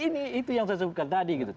ini yang saya sebutkan tadi